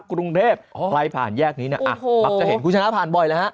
กรุงเทพใครผ่านแยกนี้เนี่ยมักจะเห็นคุณชนะผ่านบ่อยแล้วฮะ